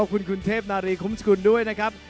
คุณคุณเทพนารีคุ้มสกุลด้วยนะครับ